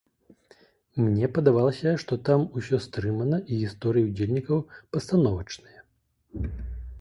Мне падавалася, што там усё стрымана і гісторыі ўдзельнікаў пастановачныя.